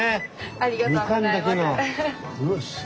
ありがとうございます。